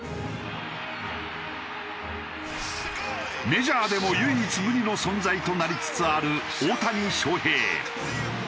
メジャーでも唯一無二の存在となりつつある大谷翔平。